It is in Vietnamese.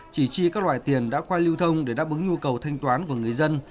chỉ chi các loại tiền đã qua lưu thông để đáp ứng nhu cầu thanh toán của người dân